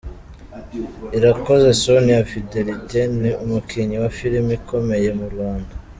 Irakoze Sonia Fidélité : ni umukinnyi wa film ukomeye mu Rwanda.